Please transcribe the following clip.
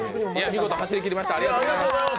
見事、走りきりました。